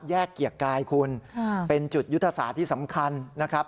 เกียรติกายคุณเป็นจุดยุทธศาสตร์ที่สำคัญนะครับ